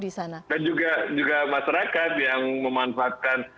dan juga masyarakat yang memanfaatkan